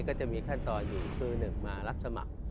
ก็จะมีขั้นตอนอยู่คือ๑มารับสมัคร